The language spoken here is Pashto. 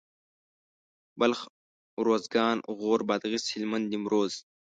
بلخ اروزګان غور بادغيس هلمند نيمروز